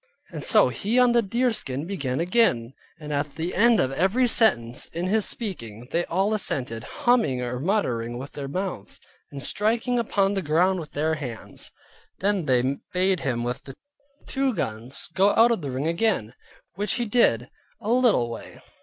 And so he on the deerskin began again; and at the end of every sentence in his speaking, they all assented, humming or muttering with their mouths, and striking upon the ground with their hands. Then they bade him with the two guns go out of the ring again; which he did, a little way.